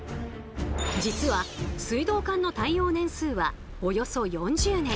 実は水道管の耐用年数はおよそ４０年。